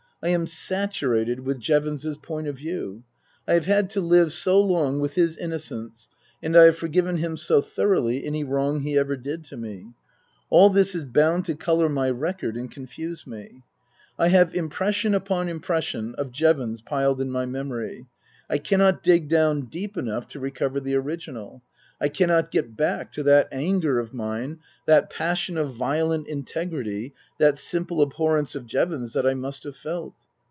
I am saturated with Jevons's point of view. I have had to live so long with his innocence and I have forgiven him so thoroughly any wrong he ever did to me. All this is bound to colour my record and confuse me. I have impression upon impression of Jevons piled in my memory ; I cannot dig down deep enough to recover the original ; I cannot get back to that anger of mine, that passion of violent in tegrity, that simple abhorrence of Jevons that I must have felt.